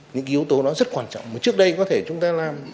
những yếu tố đó rất quan trọng mà trước đây có thể chúng ta làm